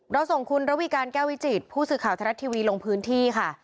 เราส่งคุณระวีการแก้ววิจิตผู้สื่อข่าวทรัฐทีวีลงพื้นที่ค่ะ